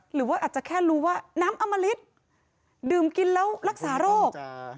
หรือว่าอาจจะแค่รู้ว่าน้ำอมริตดื่มกินแล้วรักษาโรค